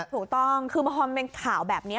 ถูกต้องคือพอมันเป็นข่าวแบบนี้